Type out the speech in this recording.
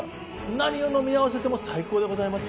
何を飲み合わせても最高でございます。